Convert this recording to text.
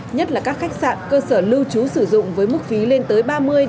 nhất là các khách sạn cơ sở lưu trú sử dụng với mức phí lên tới ba mươi năm mươi